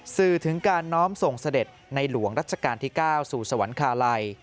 สื่อถึงการน้อมส่งเสด็จในหลวงรัชกาลที่๙สู่สวรรคาลัย